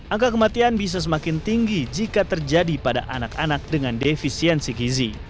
angka kematian bisa semakin tinggi jika terjadi pada anak anak dengan defisiensi gizi